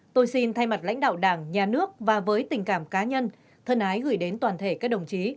tôi xin thay mặt lãnh đạo đảng nhà nước và với tình cảm cá nhân thân ái gửi đến toàn thể các đồng chí